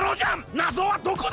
なぞはどこだ！？